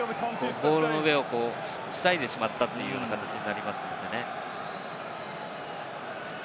ボールの上を塞いでしまったというような形になりますよね。